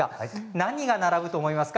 何が並ぶと思いますか？